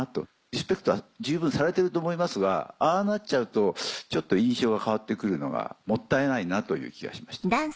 リスペクトは十分されてると思いますがああなっちゃうとちょっと印象が変わって来るのがもったいないなという気がしました。